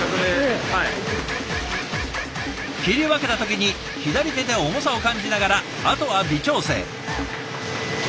切り分けた時に左手で重さを感じながらあとは微調整。